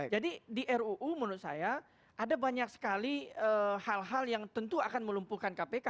jadi di ruu menurut saya ada banyak sekali hal hal yang tentu akan melumpuhkan kpk